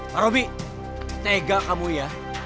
pak roby tega kamu ya